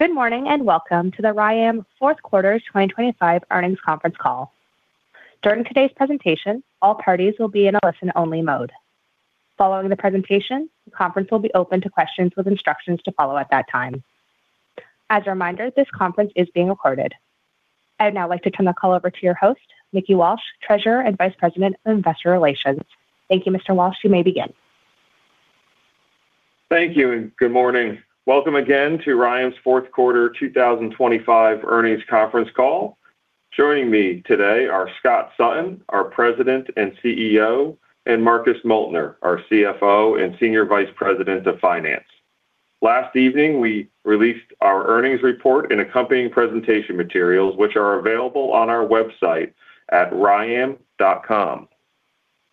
Good morning, and welcome to the RYAM fourth quarter 2025 earnings conference call. During today's presentation, all parties will be in a listen-only mode. Following the presentation, the conference will be open to questions with instructions to follow at that time. As a reminder, this conference is being recorded. I'd now like to turn the call over to your host, Mickey Walsh, Treasurer and Vice President of Investor Relations. Thank you, Mr. Walsh. You may begin. Thank you and good morning. Welcome again to RYAM's fourth quarter 2025 earnings conference call. Joining me today are Scott Sutton, our President and CEO, and Marcus Moeltner, our CFO and Senior Vice President of Finance. Last evening, we released our earnings report and accompanying presentation materials, which are available on our website at ryam.com.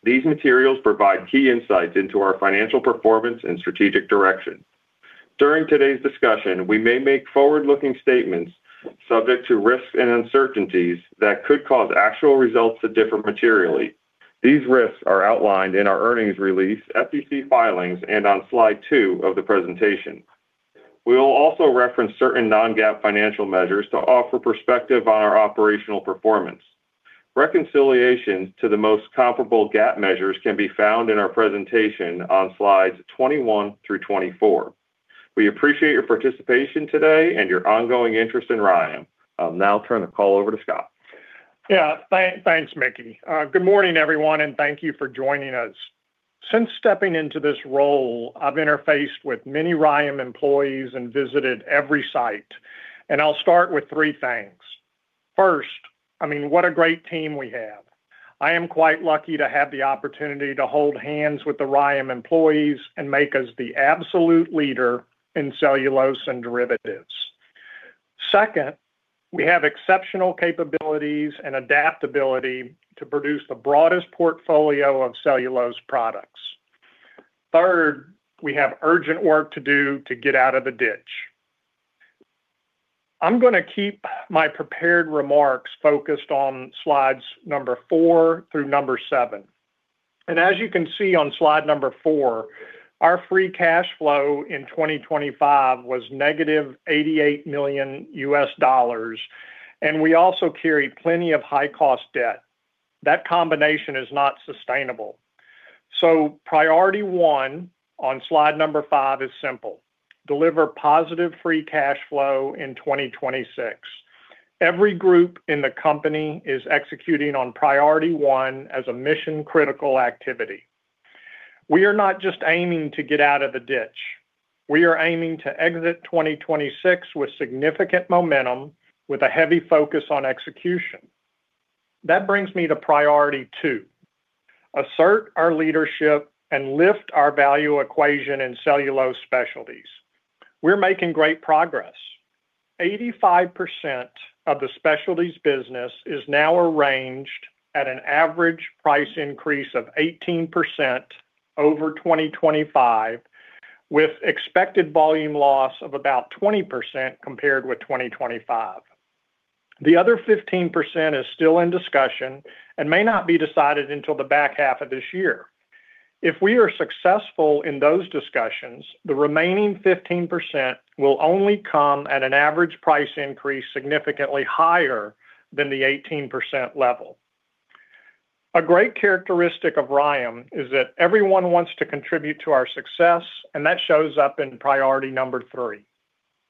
These materials provide key insights into our financial performance and strategic direction. During today's discussion, we may make forward-looking statements subject to risks and uncertainties that could cause actual results to differ materially. These risks are outlined in our earnings release, SEC filings, and on slide 2 of the presentation. We will also reference certain non-GAAP financial measures to offer perspective on our operational performance. Reconciliation to the most comparable GAAP measures can be found in our presentation on slides 21-24. We appreciate your participation today and your ongoing interest in RYAM. I'll now turn the call over to Scott. Thanks, Mickey. Good morning, everyone, and thank you for joining us. Since stepping into this role, I've interfaced with many RYAM employees and visited every site. I'll start with three things. First, I mean, what a great team we have. I am quite lucky to have the opportunity to hold hands with the RYAM employees and make us the absolute leader in cellulose and derivatives. Second, we have exceptional capabilities and adaptability to produce the broadest portfolio of cellulose products. Third, we have urgent work to do to get out of the ditch. I'm gonna keep my prepared remarks focused on slides 4 through 7. As you can see on slide 4, our free cash flow in 2025 was -$88 million, and we also carry plenty of high-cost debt. That combination is not sustainable. Priority 1 on slide number 5 is simple: deliver positive free cash flow in 2026. Every group in the company is executing on priority 1 as a mission-critical activity. We are not just aiming to get out of the ditch. We are aiming to exit 2026 with significant momentum with a heavy focus on execution. That brings me to priority 2, assert our leadership and lift our value equation in Cellulose Specialties. We're making great progress. 85% of the specialties business is now arranged at an average price increase of 18% over 2025, with expected volume loss of about 20% compared with 2025. The other 15% is still in discussion and may not be decided until the back half of this year. If we are successful in those discussions, the remaining 15% will only come at an average price increase significantly higher than the 18% level. A great characteristic of RYAM is that everyone wants to contribute to our success, and that shows up in priority number 3.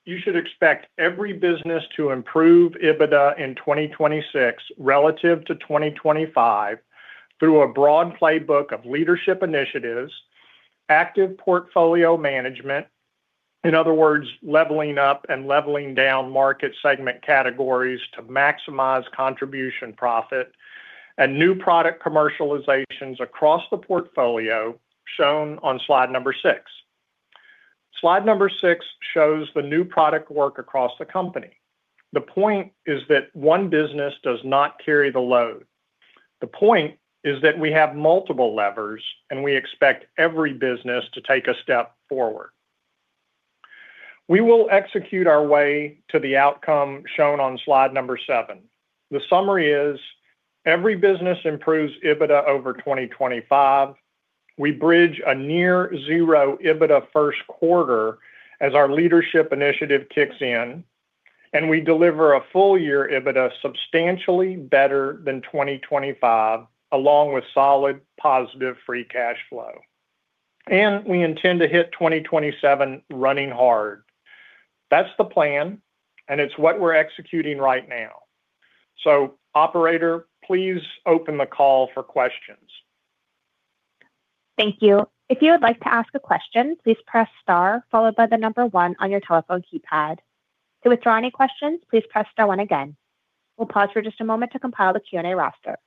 You should expect every business to improve EBITDA in 2026 relative to 2025 through a broad playbook of leadership initiatives, active portfolio management. In other words, leveling up and leveling down market segment categories to maximize contribution profit and new product commercializations across the portfolio shown on slide number 6. Slide number 6 shows the new product work across the company. The point is that one business does not carry the load. The point is that we have multiple levers, and we expect every business to take a step forward. We will execute our way to the outcome shown on slide number 7. The summary is every business improves EBITDA over 2025. We bridge a near zero EBITDA first quarter as our leadership initiative kicks in. We deliver a full-year EBITDA substantially better than 2025, along with solid positive free cash flow. We intend to hit 2027 running hard. That's the plan, and it's what we're executing right now. Operator, please open the call for questions. Thank you. If you would like to ask a question, please press star followed by the number 1 on your telephone keypad. To withdraw any questions, please press star 1 again. We'll pause for just a moment to compile the Q&A roster.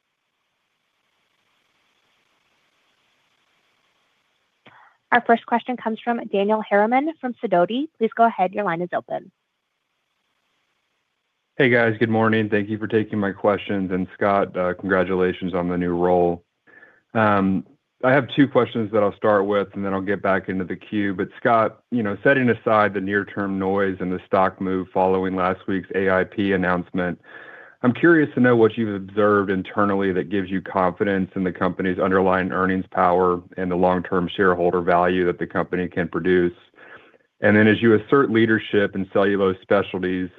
Our first question comes from Daniel Harriman from Sidoti. Please go ahead. Your line is open. Hey, guys. Good morning. Thank you for taking my questions. Scott, congratulations on the new role. I have two questions that I'll start with, and then I'll get back into the queue. Scott, you know, setting aside the near-term noise and the stock move following last week's AIP announcement, I'm curious to know what you've observed internally that gives you confidence in the company's underlying earnings power and the long-term shareholder value that the company can produce. Then as you assert leadership in Cellulose Specialties,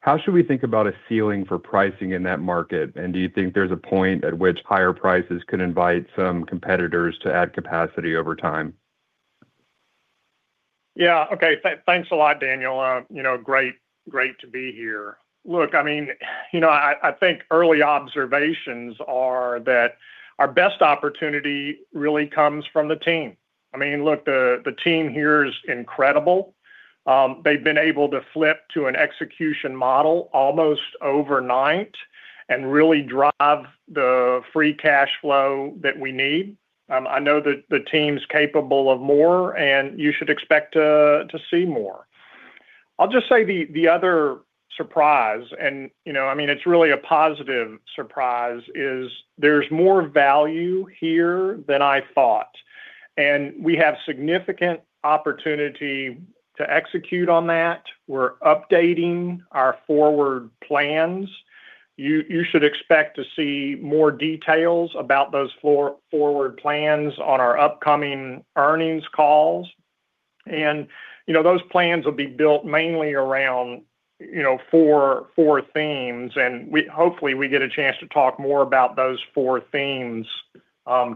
how should we think about a ceiling for pricing in that market? Do you think there's a point at which higher prices could invite some competitors to add capacity over time? Yeah. Okay. Thanks a lot, Daniel. you know, great to be here. I mean, you know, I think early observations are that our best opportunity really comes from the team. I mean, the team here is incredible. They've been able to flip to an execution model almost overnight and really drive the free cash flow that we need. I know that the team's capable of more, and you should expect to see more. I'll just say the other surprise and, you know, I mean, it's really a positive surprise is there's more value here than I thought. We have significant opportunity to execute on that. We're updating our forward plans. You should expect to see more details about those forward plans on our upcoming earnings calls. You know, those plans will be built mainly around, you know, 4 themes. Hopefully, we get a chance to talk more about those 4 themes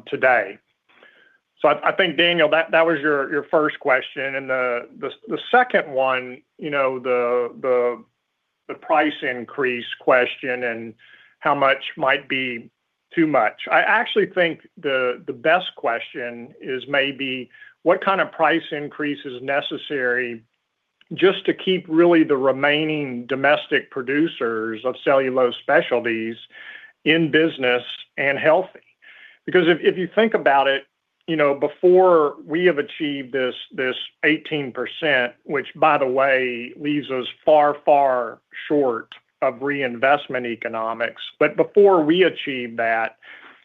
today. I think, Daniel, that was your first question. The second one, you know, the price increase question and how much might be too much. I actually think the best question is maybe what kind of price increase is necessary just to keep really the remaining domestic producers of Cellulose Specialties in business and healthy. If you think about it, you know, before we have achieved this 18%, which by the way, leaves us far, far short of reinvestment economics. Before we achieve that,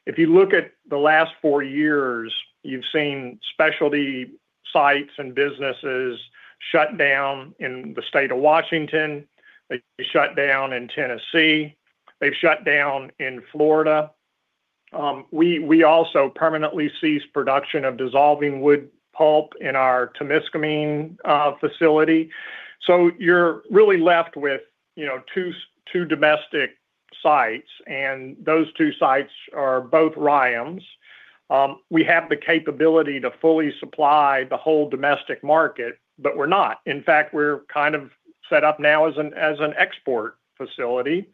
if you look at the last 4 years, you've seen specialty sites and businesses shut down in the state of Washington. They've shut down in Tennessee. They've shut down in Florida. We also permanently ceased production of dissolving wood pulp in our Témiscaming facility. You're really left with, you know, two domestic sites, and those two sites are both RYAMs. We have the capability to fully supply the whole domestic market, but we're not. In fact, we're kind of set up now as an export facility,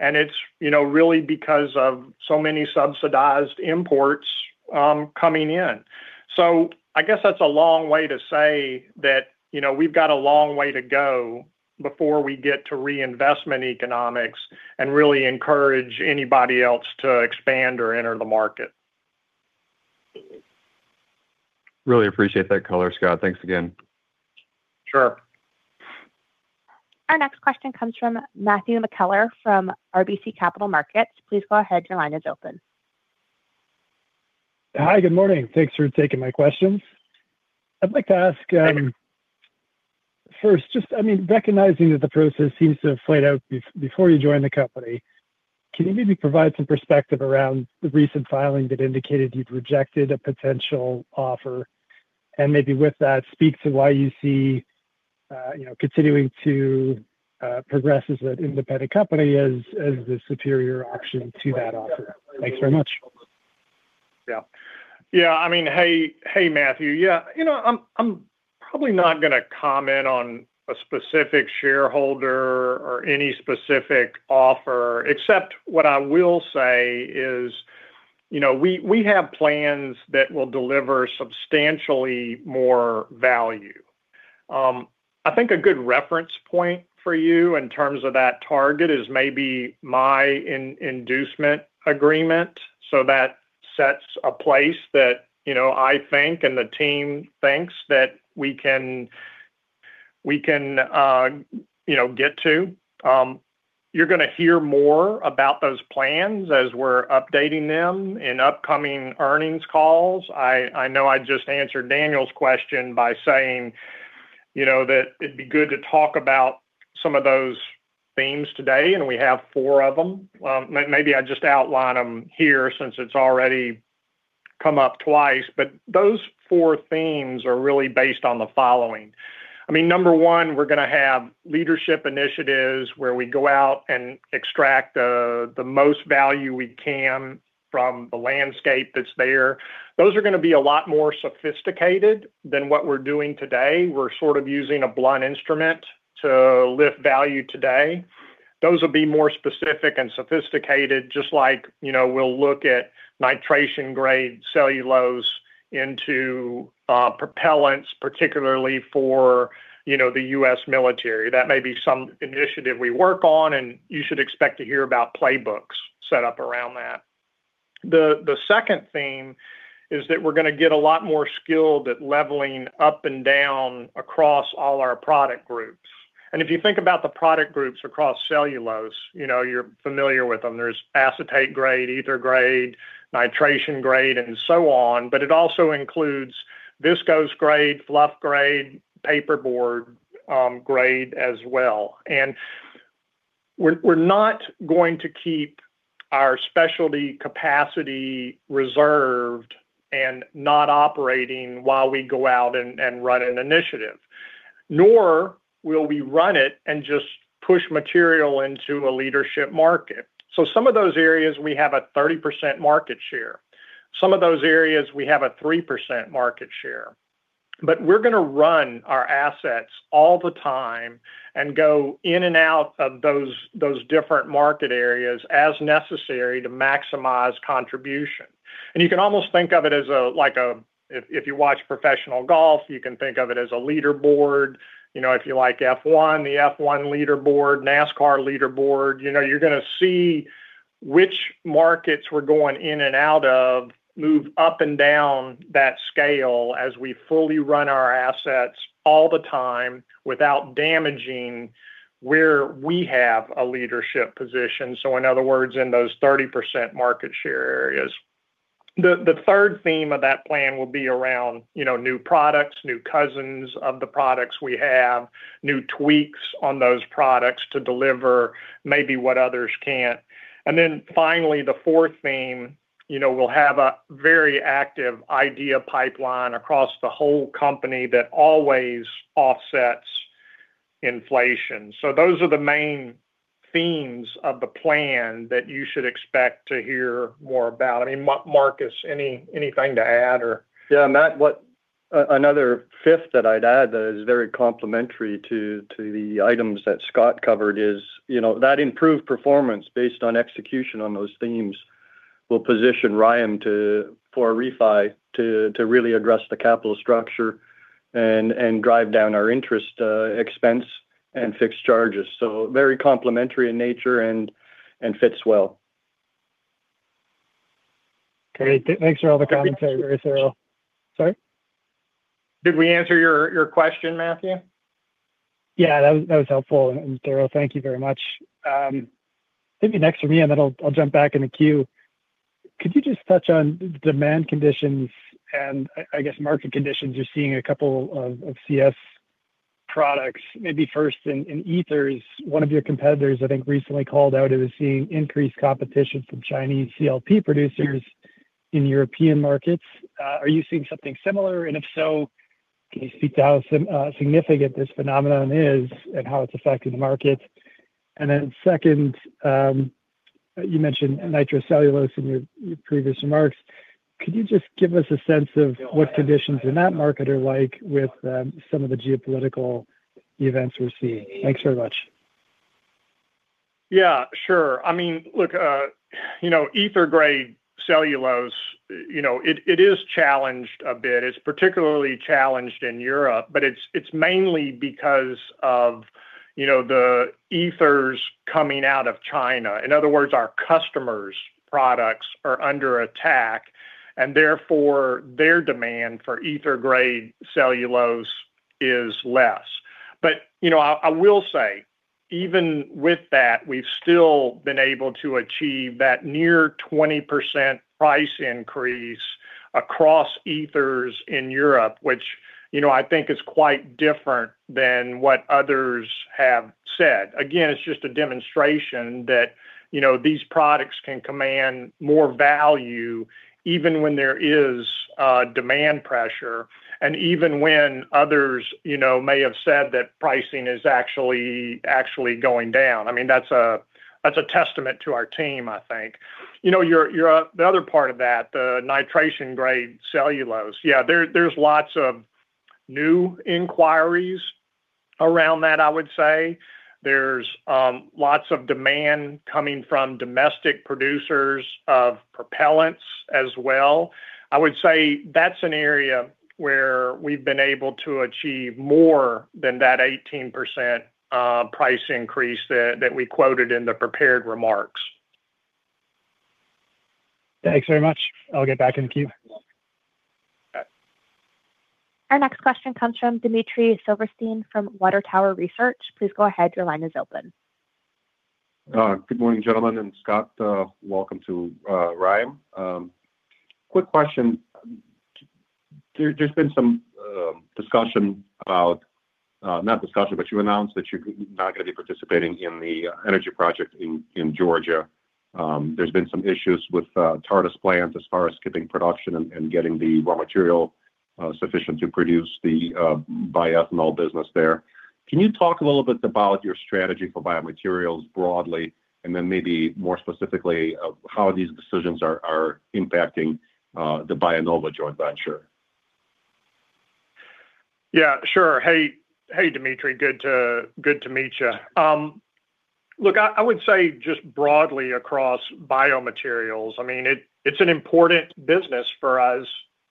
and it's, you know, really because of so many subsidized imports coming in. I guess that's a long way to say that, you know, we've got a long way to go before we get to reinvestment economics and really encourage anybody else to expand or enter the market. Really appreciate that color, Scott. Thanks again. Sure. Our next question comes from Matt McKellar from RBC Capital Markets. Please go ahead. Your line is open. Hi, good morning. Thanks for taking my questions. I'd like to ask, first, I mean recognizing that the process seems to have played out before you joined the company, can you maybe provide some perspective around the recent filing that indicated you'd rejected a potential offer? Maybe with that, speak to why you see, you know, continuing to progress as an independent company as the superior option to that offer. Thanks very much. Yeah. Yeah. I mean, hey, Matthew. You know, I'm probably not gonna comment on a specific shareholder or any specific offer except what I will say is, you know, we have plans that will deliver substantially more value. I think a good reference point for you in terms of that target is maybe my inducement agreement. That sets a place that, you know, I think and the team thinks that we can, you know, get to. You're gonna hear more about those plans as we're updating them in upcoming earnings calls. I know I just answered Daniel's question by saying, you know, that it'd be good to talk about some of those themes today. We have 4 of them. Maybe I just outline them here since it's already come up twice. Those four themes are really based on the following. I mean, number one, we're gonna have leadership initiatives where we go out and extract the most value we can from the landscape that's there. Those are gonna be a lot more sophisticated than what we're doing today. We're sort of using a blunt instrument to lift value today. Those will be more specific and sophisticated, just like, you know, we'll look at nitration grade cellulose into propellants, particularly for, you know, the U.S. military. That may be some initiative we work on, and you should expect to hear about playbooks set up around that. The second theme is that we're gonna get a lot more skilled at leveling up and down across all our product groups. If you think about the product groups across cellulose, you know, you're familiar with them. There's acetate-grade, ether grade, nitration grade, and so on. It also includes viscose-grade, fluff grade, paperboard grade as well. We're not going to keep our specialty capacity reserved and not operating while we go out and run an initiative. Nor will we run it and just push material into a leadership market. Some of those areas we have a 30% market share. Some of those areas we have a 3% market share. We're gonna run our assets all the time and go in and out of those different market areas as necessary to maximize contribution. You can almost think of it as like a, if you watch professional golf, you can think of it as a leaderboard. You know, if you like F1, the F1 leaderboard, NASCAR leaderboard, you know, you're gonna see which markets we're going in and out of move up and down that scale as we fully run our assets all the time without damaging where we have a leadership position. So in other words, in those 30% market share areas. The third theme of that plan will be around, you know, new products, new cousins of the products we have, new tweaks on those products to deliver maybe what others can't. And then finally, the fourth theme, you know, we'll have a very active idea pipeline across the whole company that always offsets inflation. So those are the main themes of the plan that you should expect to hear more about. I mean Marcus, anything to add or? Yeah, Matt, another fifth that I'd add that is very complementary to the items that Scott covered is, you know, that improved performance based on execution on those themes will position RYAM for refi to really address the capital structure and drive down our interest expense and fixed charges. Very complementary in nature and fits well. Great. Thanks for all the commentary, Scott. Sorry? Did we answer your question, Matthew? Yeah. That was helpful, Scott. Thank you very much. Maybe next for me, then I'll jump back in the queue. Could you just touch on demand conditions and I guess, market conditions. You're seeing a couple of CS products. Maybe first in ethers, one of your competitors, I think, recently called out it was seeing increased competition from Chinese CLP producers in European markets. Are you seeing something similar? If so, can you speak to how significant this phenomenon is and how it's affecting the market? Then second, you mentioned nitrocellulose in your previous remarks. Could you just give us a sense of what conditions in that market are like with some of the geopolitical events we're seeing? Thanks very much. Yeah, sure. I mean, look, you know, ethers-grade cellulose, you know, it is challenged a bit. It's particularly challenged in Europe, but it's mainly because of, you know, the ethers coming out of China. In other words, our customers' products are under attack, and therefore, their demand for ethers-grade cellulose is less. You know, I will say, even with that, we've still been able to achieve that near 20% price increase across ethers in Europe, which, you know, I think is quite different than what others have said. Again, it's just a demonstration that, you know, these products can command more value even when there is demand pressure and even when others, you know, may have said that pricing is actually going down. I mean, that's a testament to our team, I think. You know, your, the other part of that, the nitration-grade cellulose, yeah, there's lots of new inquiries around that, I would say. There's lots of demand coming from domestic producers of propellants as well. I would say that's an area where we've been able to achieve more than that 18% price increase that we quoted in the prepared remarks. Thanks very much. I'll get back in queue. All right. Our next question comes from Dmitry Silversteyn from Water Tower Research. Please go ahead. Your line is open. Good morning, gentlemen, and Scott, welcome to RYAM. Quick question. There, there's been some discussion about, not discussion, but you announced that you're not gonna be participating in the energy project in Georgia. There's been some issues with Tartas plants as far as skipping production and getting the raw material sufficient to produce the Bioethanol business there. Can you talk a little bit about your strategy for Biomaterials broadly, and then maybe more specifically of how these decisions are impacting the BioNova joint venture? Yeah, sure. Hey, Dmitry. Good to meet ya. Look, I would say just broadly across Biomaterials, I mean, it's an important business for us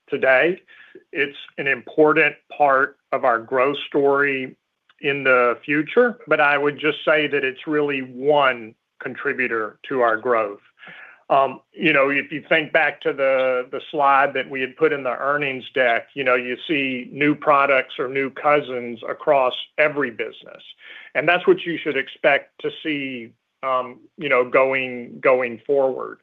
today. It's an important part of our growth story in the future. I would just say that it's really one contributor to our growth. You know, if you think back to the slide that we had put in the earnings deck, you know, you see new products or new cousins across every business. That's what you should expect to see, you know, going forward.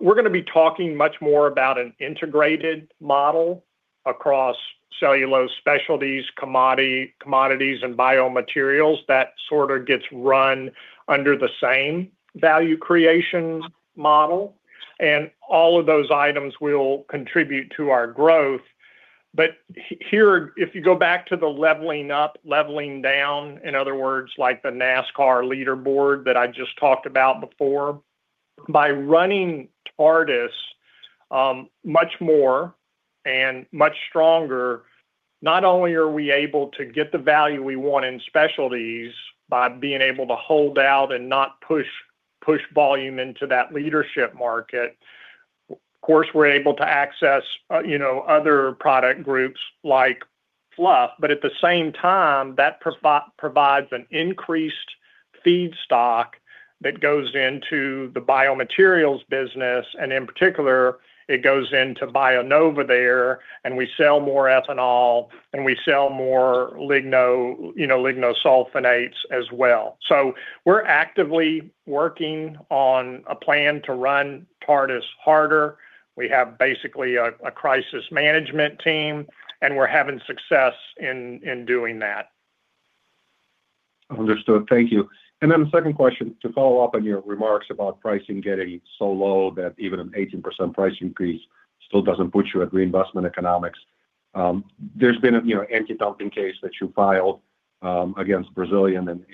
We're gonna be talking much more about an integrated model across Cellulose Specialties, commodities, and Biomaterials that sort of gets run under the same value creation model, and all of those items will contribute to our growth. Here, if you go back to the leveling up, leveling down, in other words, like the NASCAR leaderboard that I just talked about before. By running Tartas much more and much stronger, not only are we able to get the value we want in specialties by being able to hold out and not push volume into that leadership market, of course, we're able to access, you know, other product groups like Fluff, but at the same time, that provides an increased feedstock that goes into the Biomaterials business, and in particular, it goes into BioNova there, and we sell more ethanol, and we sell more, you know, lignosulfonates as well. We're actively working on a plan to run Tartas harder. We have basically a crisis management team, and we're having success in doing that. Understood. Thank you. Then the second question, to follow up on your remarks about pricing getting so low that even an 18% price increase still doesn't put you at reinvestment economics. There's been a, you know, antidumping case that you filed against Brazilian and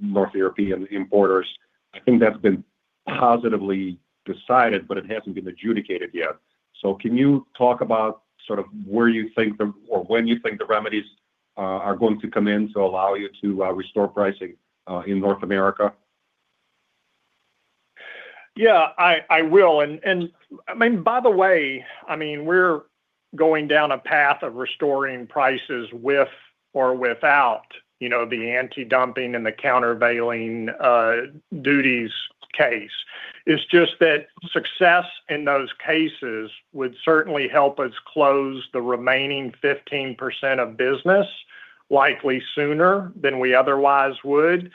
North European importers. I think that's been positively decided, but it hasn't been adjudicated yet. Can you talk about sort of where you think or when you think the remedies are going to come in to allow you to restore pricing in North America? Yeah, I will. I mean, by the way, I mean, we're going down a path of restoring prices with or without, you know, the antidumping and the countervailing duties case. It's just that success in those cases would certainly help us close the remaining 15% of business likely sooner than we otherwise would.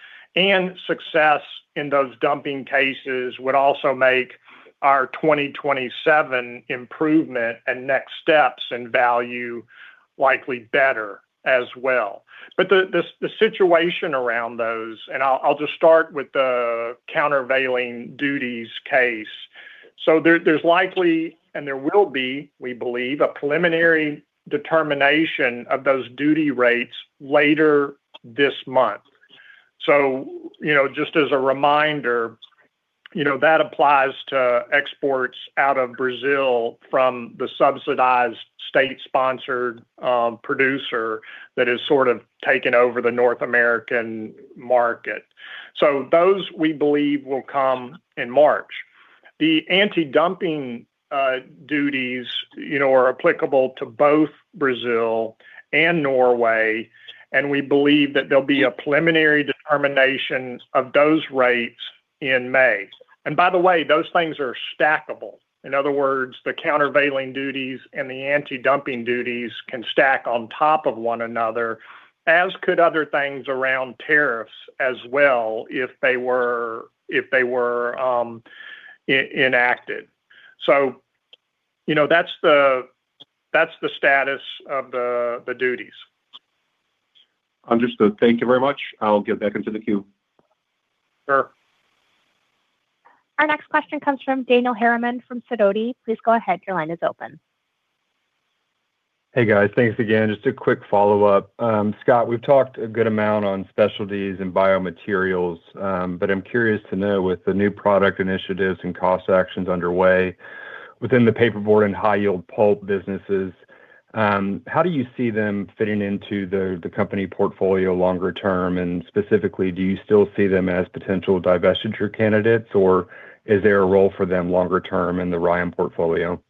Success in those dumping cases would also make our 2027 improvement and next steps in value likely better as well. The situation around those, and I'll just start with the countervailing duties case. There's likely, and there will be, we believe, a preliminary determination of those duty rates later this month. You know, just as a reminder, you know, that applies to exports out of Brazil from the subsidized state-sponsored producer that has sort of taken over the North American market. Those, we believe, will come in March. The antidumping duties, you know, are applicable to both Brazil and Norway, and we believe that there'll be a preliminary determination of those rates in May. By the way, those things are stackable. In other words, the countervailing duties and the antidumping duties can stack on top of one another, as could other things around tariffs as well if they were enacted. You know, that's the status of the duties. Understood. Thank you very much. I'll get back into the queue. Sure. Our next question comes from Daniel Harriman from Sidoti. Please go ahead. Your line is open. Hey, guys. Thanks again. Just a quick follow-up. Scott, we've talked a good amount on specialties and Biomaterials, but I'm curious to know, with the new product initiatives and cost actions underway within the Paperboard and High-Yield Pulp businesses, how do you see them fitting into the company portfolio longer term? Specifically, do you still see them as potential divestiture candidates, or is there a role for them longer term in the RYAM portfolio?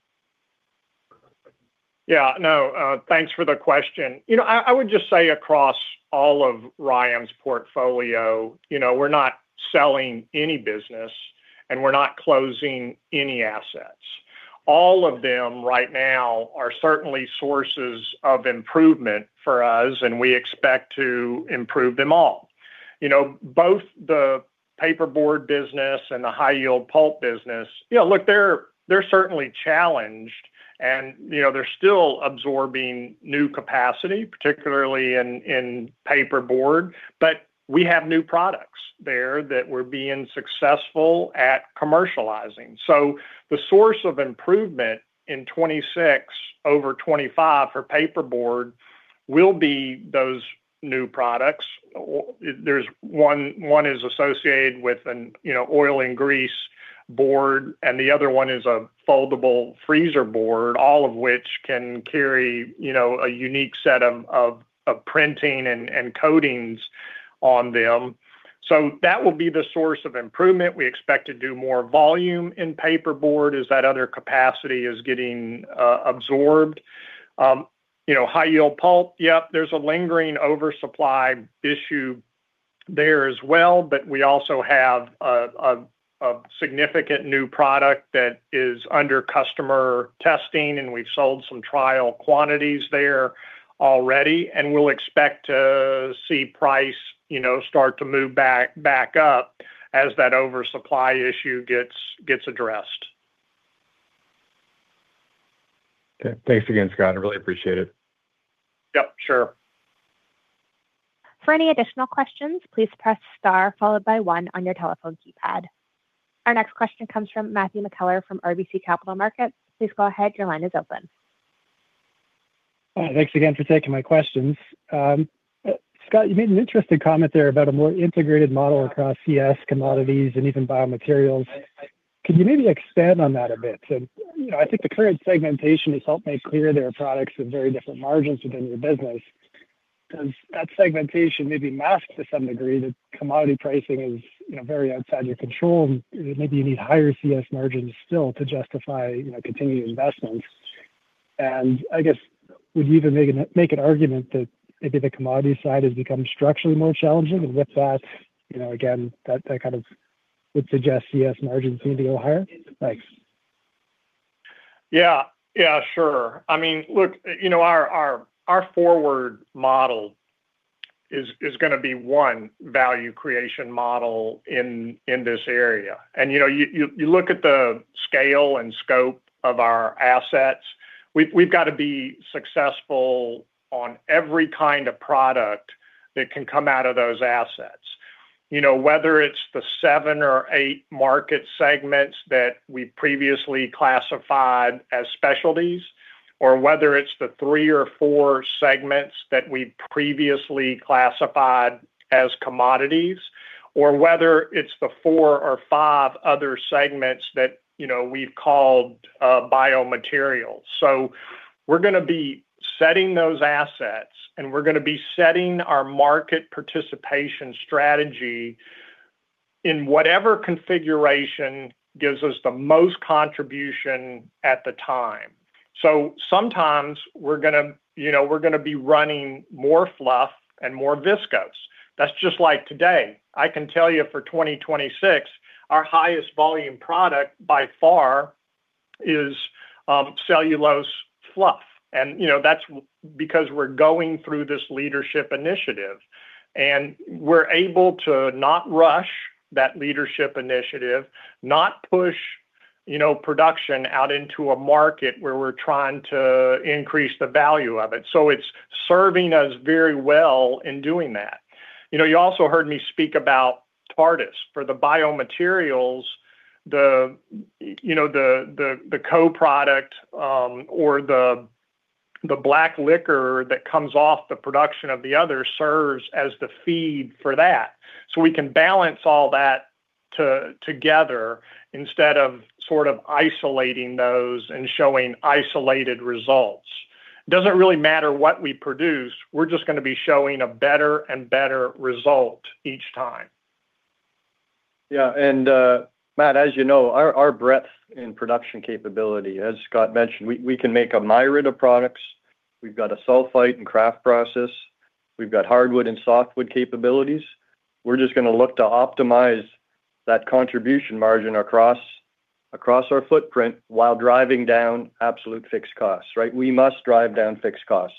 Yeah, no, thanks for the question. You know, I would just say across all of RYAM's portfolio, you know, we're not selling any business, and we're not closing any assets. All of them right now are certainly sources of improvement for us, and we expect to improve them all. You know, both the paperboard business and the High-Yield Pulp business, you know, look, they're certainly challenged, and, you know, they're still absorbing new capacity, particularly in paperboard, but we have new products there that we're being successful at commercializing. The source of improvement in 2026 over 2025 for paperboard will be those new products. One is associated with an, you know, oil and grease-resistant board, and the other one is a foldable freezer board, all of which can carry, you know, a unique set of printing and coatings on them. That will be the source of improvement. We expect to do more volume in Paperboard as that other capacity is getting absorbed. You know, High-Yield Pulp, yep, there's a lingering oversupply issue there as well, but we also have a significant new product that is under customer testing, and we've sold some trial quantities there already. We'll expect to see price, you know, start to move back up as that oversupply issue gets addressed. Okay. Thanks again, Scott. I really appreciate it. Yep, sure. For any additional questions, please press Star followed by one on your telephone keypad. Our next question comes from Matthew McKellar from RBC Capital Markets. Please go ahead, your line is open. Thanks again for taking my questions. Scott, you made an interesting comment there about a more integrated model across CS commodities and even biomaterials. Could you maybe expand on that a bit? You know, I think the current segmentation has helped make clear there are products with very different margins within your business. Does that segmentation maybe mask to some degree that commodity pricing is, you know, very outside your control, and maybe you need higher CS margins still to justify, you know, continued investments? I guess, would you even make an argument that maybe the commodity side has become structurally more challenging, and with that, you know, again, that kind of would suggest CS margins need to go higher? Thanks. Yeah. Yeah, sure. I mean, look, you know, our forward model is gonna be one value creation model in this area. You know, you look at the scale and scope of our assets, we've gotta be successful on every kind of product that can come out of those assets. You know, whether it's the 7 or 8 market segments that we previously classified as specialties, or whether it's the 3 or 4 segments that we previously classified as commodities, or whether it's the 4 or 5 other segments that, you know, we've called Biomaterials. We're gonna be setting those assets, and we're gonna be setting our market participation strategy in whatever configuration gives us the most contribution at the time. Sometimes we're gonna, you know, we're gonna be running more fluff and more viscose. That's just like today. I can tell you for 2026, our highest volume product by far is Fluff Pulp. You know, that's because we're going through this leadership initiative, and we're able to not rush that leadership initiative, not push, you know, production out into a market where we're trying to increase the value of it. It's serving us very well in doing that. You know, you also heard me speak about Tartas. For the Biomaterials, the, you know, the, the co-product, or the black liquor that comes off the production of the other serves as the feed for that. We can balance all that together instead of sort of isolating those and showing isolated results. It doesn't really matter what we produce, we're just gonna be showing a better and better result each time. Yeah. Matt, as you know, our breadth in production capability, as Scott mentioned, we can make a myriad of products. We've got a sulfite and Kraft process. We've got hardwood and softwood capabilities. We're just gonna look to optimize that contribution margin across our footprint while driving down absolute fixed costs, right? We must drive down fixed costs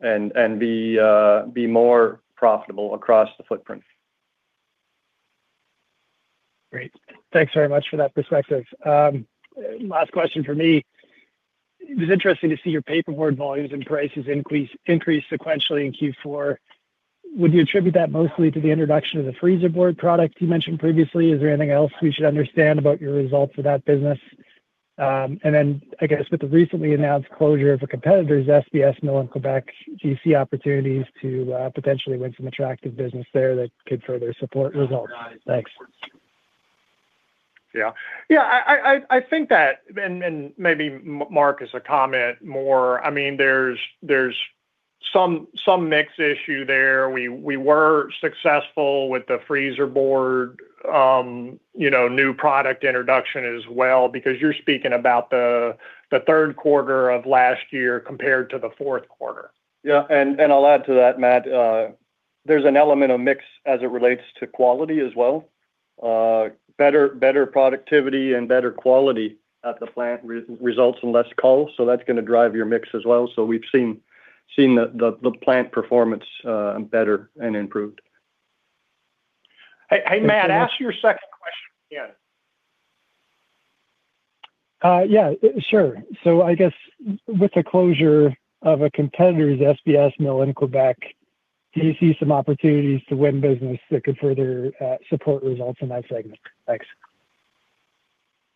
and be more profitable across the footprint. Great. Thanks very much for that perspective. Last question from me. It was interesting to see your paperboard volumes and prices increase sequentially in Q4. Would you attribute that mostly to the introduction of the Freezerboard product you mentioned previously? Is there anything else we should understand about your results for that business? I guess with the recently announced closure of a competitor's SBS mill in Quebec, do you see opportunities to potentially win some attractive business there that could further support results? Thanks. Yeah. Yeah, I think that, and maybe Mark has a comment more. I mean, there's some mix issue there. We were successful with the freezer board, you know, new product introduction as well because you're speaking about the third quarter of last year compared to the fourth quarter. Yeah. I'll add to that, Matt. There's an element of mix as it relates to quality as well. Better productivity and better quality at the plant results in less calls, that's gonna drive your mix as well. We've seen the plant performance, better and improved. Hey, hey, Matt, ask your second question again. Sure. I guess with the closure of a competitor's SBS mill in Quebec, do you see some opportunities to win business that could further support results in that segment? Thanks.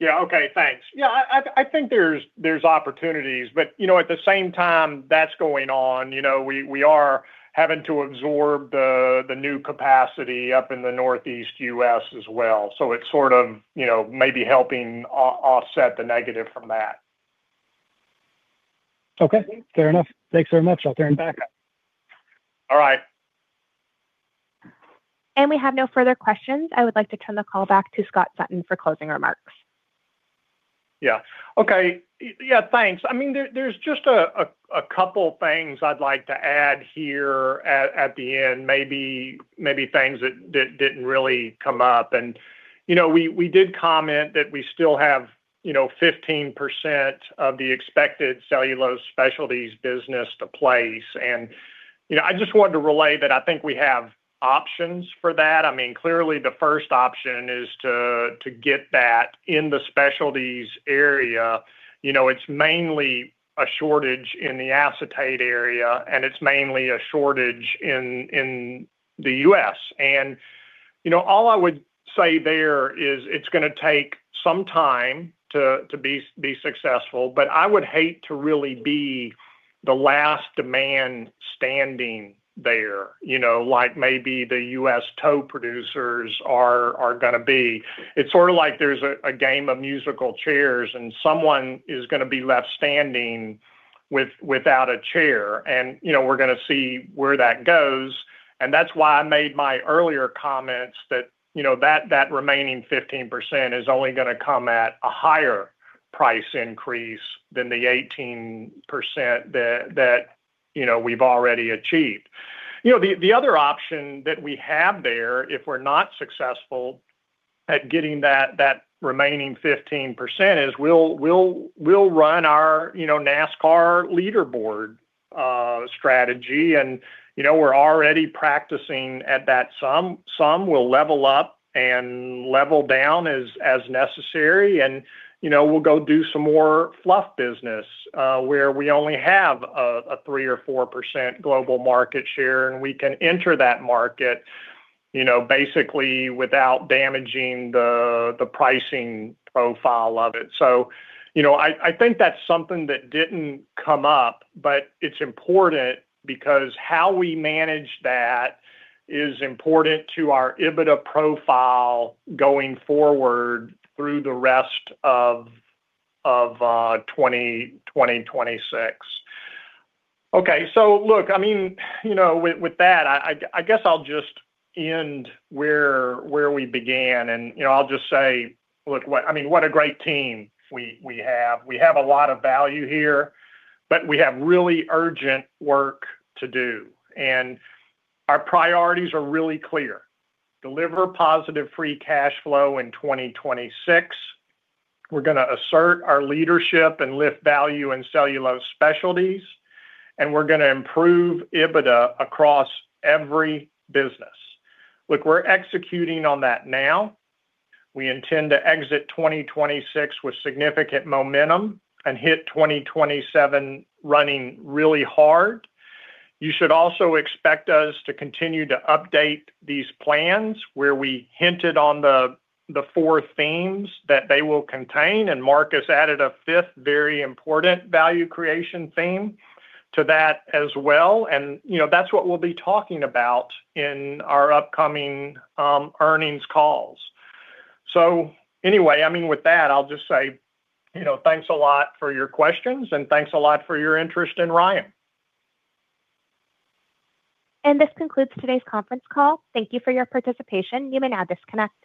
Yeah. Okay, thanks. Yeah, I think there's opportunities, but you know, at the same time that's going on, you know, we are having to absorb the new capacity up in the Northeast U.S. as well. So it sort of, you know, may be helping offset the negative from that. Okay. Fair enough. Thanks very much. I'll turn it back. All right. We have no further questions. I would like to turn the call back to Scott Sutton for closing remarks. Yeah. Okay. Yeah, thanks. I mean, there's just a couple things I'd like to add here at the end, maybe things that didn't really come up. You know, we did comment that we still have, you know, 15% of the expected Cellulose Specialties business to place. You know, I just wanted to relay that I think we have options for that. I mean, clearly the first option is to get that in the specialties area. You know, it's mainly a shortage in the acetate area, and it's mainly a shortage in the U.S. You know, all I would say there is it's gonna take some time to be successful, but I would hate to really be the last man standing there, you know, like maybe the U.S. tow producers are gonna be. It's sort of like there's a game of musical chairs, and someone is gonna be left standing without a chair, and, you know, we're gonna see where that goes, and that's why I made my earlier comments that, you know, that remaining 15% is only gonna come at a higher price increase than the 18% that, you know, we've already achieved. You know, the other option that we have there, if we're not successful at getting that remaining 15% is we'll run our, you know, NASCAR leaderboard strategy, and, you know, we're already practicing at that some. Some will level up and level down as necessary, you know, we'll go do some more fluff business where we only have a 3 or 4% global market share. We can enter that market, you know, basically without damaging the pricing profile of it. You know, I think that's something that didn't come up, but it's important because how we manage that is important to our EBITDA profile going forward through the rest of 2026. Okay. Look, I mean, you know, with that, I guess I'll just end where we began. You know, I'll just say look what. I mean, what a great team we have. We have a lot of value here. We have really urgent work to do. Our priorities are really clear. Deliver positive free cash flow in 2026. We're gonna assert our leadership and lift value in Cellulose Specialties. We're gonna improve EBITDA across every business. Look, we're executing on that now. We intend to exit 2026 with significant momentum and hit 2027 running really hard. You should also expect us to continue to update these plans where we hinted on the four themes that they will contain. Marcus added a fifth very important value creation theme to that as well. You know, that's what we'll be talking about in our upcoming earnings calls. I mean, with that, I'll just say, you know, thanks a lot for your questions, and thanks a lot for your interest in RYAM. This concludes today's conference call. Thank you for your participation. You may now disconnect.